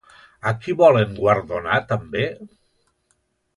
A qui volen guardonar també?